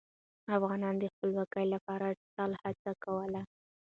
افغانان د خپلواکۍ لپاره تل هڅه کوله.